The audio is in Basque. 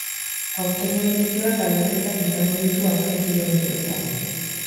Aurtengo edizioak aldaketak izango ditu azken kilometroetan.